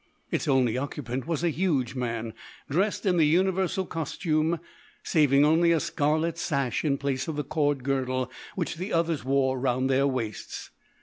Its only occupant was a huge man, dressed in the universal costume, saving only a scarlet sash in place of the cord girdle which the others wore round their waists.